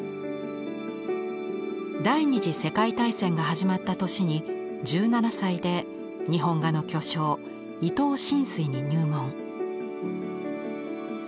第２次世界大戦が始まった年に１７歳で日本画の巨匠伊東深水に入門。